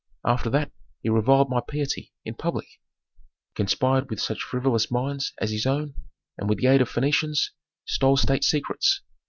After that he reviled my piety, in public; conspired with such frivolous minds as his own, and with the aid of Phœnicians stole state secrets.